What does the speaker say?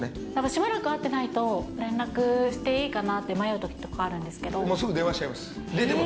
しばらく会ってないと、連絡していいかなって迷うときとすぐ電話しちゃいます。